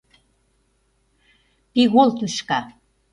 Пигол тӱшка.